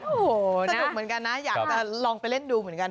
สนุกเหมือนกันนะอยากลองไปเล่นดูเหรอ